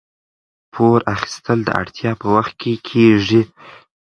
پور اخیستل د اړتیا په وخت کې کیږي.